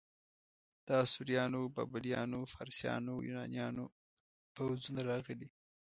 د اسوریانو، بابلیانو، فارسیانو، یونانیانو پوځونه راغلي.